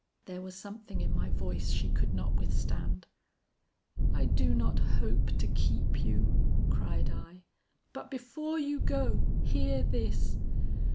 There was something in my voice she could not withstand. 'I do not hope to keep you,' cried I, 'but before you go, hear this.